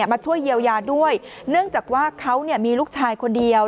มาช่วยเยียวยาด้วยเนื่องจากว่าเขามีลูกชายคนเดียว